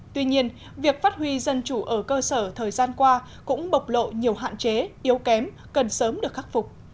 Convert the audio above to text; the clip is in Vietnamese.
tuy nhiên việc phát huy dân chủ ở cơ sở thời gian qua cũng bộc lộ nhiều hạn chế yếu kém cần sớm được khắc phục